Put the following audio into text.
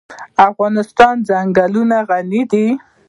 افغانستان په ځنګلونه غني دی.